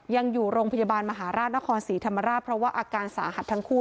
ยังอยู่โรงพยาบาลมหาราชนครศรีธรรมราชเพราะว่าอาการสาหัสทั้งคู่